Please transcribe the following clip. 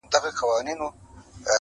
او کاظم خان شیدا ولولو